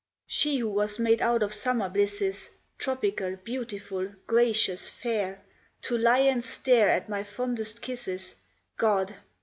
She who was made out of summer blisses, Tropical, beautiful, gracious, fair, To lie and stare at my fondest kisses God!